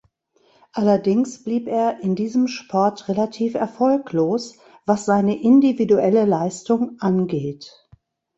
Allerdings blieb er in diesem Sport relativ erfolglos, was seine individuelle Leistung angeht.